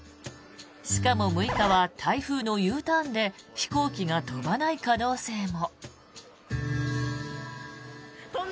しかも、６日は台風のＵターンで飛行機が飛ばない可能性も。